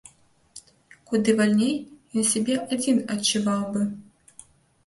Куды вальней ён сябе адзін адчуваў бы.